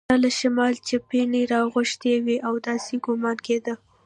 چا له شماله چپنې راغوښتي وې او داسې ګومان کېده.